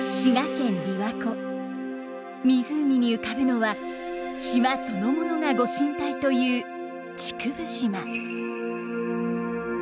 湖に浮かぶのは島そのものが御神体という竹生島。